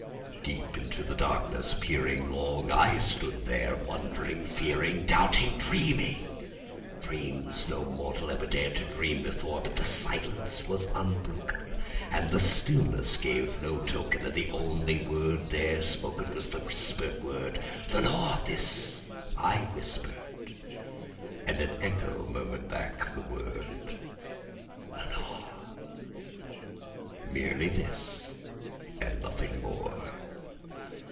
Deep into that darkness peering, long I stood there wondering, fearing, Doubting, dreaming dreams no mortals ever dared to dream before; But the silence was unbroken, and the stillness gave no token, And the only word there spoken was the whispered word, "Lenore?"This I whispered, and an echo murmured back the word, "Lenore:"Merely this and nothing more.